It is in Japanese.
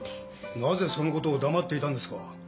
なぜそのことを黙っていたんですか？